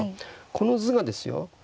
この図がですよ